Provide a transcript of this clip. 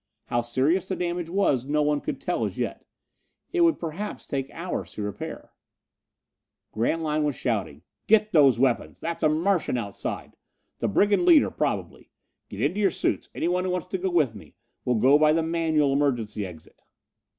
How serious the damage was no one could tell as yet. It would perhaps take hours to repair it. Grantline was shouting. "Get those weapons! That's a Martian outside! The brigand leader, probably! Get into your suits, anyone who wants to go with me! We'll go by the manual emergency exit!"